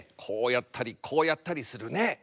こうやったりこうやったりするね。